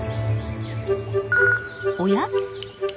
おや？